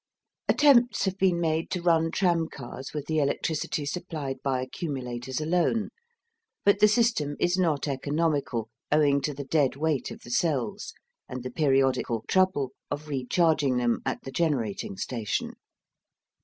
Attempts have been made to run tramcars with the electricity supplied by accumulators alone, but the system is not economical owing to the dead weight of the cells, and the periodical trouble of recharging them at the generating station.